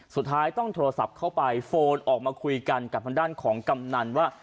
สุดท้ายต้องโทรศัพท์เข้าไปโฟนออกมาคุยกันกับทางด้านของกำนันว่า